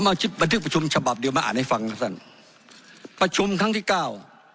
บันทึกประชุมฉบับเดียวมาอ่านให้ฟังครับท่านประชุมครั้งที่เก้า